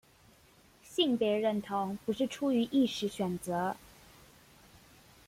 性別認同不是出於意識選擇